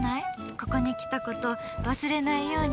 ここに来たこと、忘れないように。